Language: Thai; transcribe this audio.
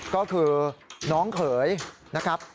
ก็คือน้องเขยนะครับ